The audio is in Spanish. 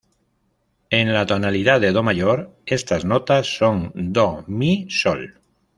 En la tonalidad de Do Mayor, estas notas son Do-Mi-Sol.